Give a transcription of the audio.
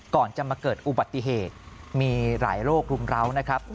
ก่อนจะมาเกิดอุบัติเหตุมีหลายโรครุมร้าวนะครับ